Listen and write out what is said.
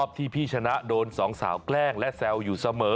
ที่พี่ชนะโดนสองสาวแกล้งและแซวอยู่เสมอ